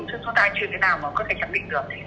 chứ chúng ta chưa thể nào mà có thể khẳng định được